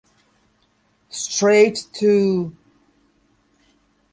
Straight to...